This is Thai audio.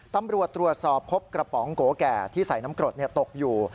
ตำรวจตรวจสอบพบกระป๋องโกแก่ที่ใส่น้ำกรดตกอยู่